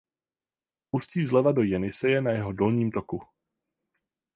Ústí zleva do Jeniseje na jeho dolním toku.